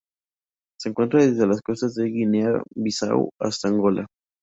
Se encuentra desde las costas de Guinea-Bissau hasta Angola.